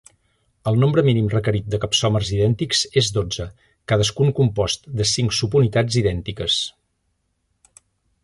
El nombre mínim requerit de capsòmers idèntics és dotze, cadascun compost de cinc subunitats idèntiques.